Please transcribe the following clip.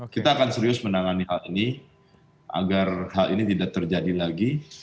kita akan serius menangani hal ini agar hal ini tidak terjadi lagi